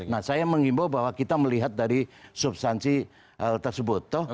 nah saya mengimbau bahwa kita melihat dari substansi hal tersebut